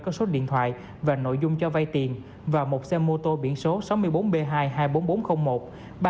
có số điện thoại và nội dung cho vây tiền và một xe mô tô biển số sáu mươi bốn b hai trăm hai mươi bốn nghìn bốn trăm linh một